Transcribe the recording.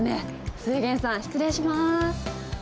末げんさん、失礼します。